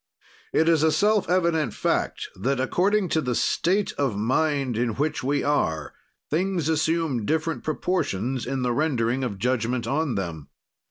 It is a self evident fact that, according to the state of mind in which we are, things assume different proportions in the rendering of judgment on them.